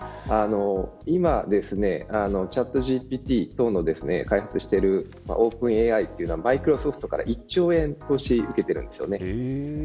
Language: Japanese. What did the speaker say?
今チャットＧＰＴなどの開発をしているオープンＡＩ社はマイクロソフトから１兆円の融資を受けているんです。